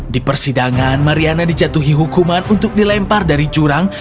di persidangan mariana dijatuhi hukuman untuk dilempar dari jurang